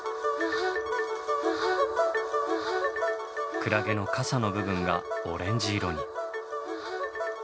クラゲの傘の部分がオレンジ色に。